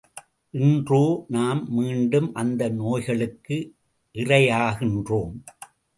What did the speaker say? இன்றோ நாம், மீண்டும் அந்த நோய்களுக்கு இறையாகின்றோம்!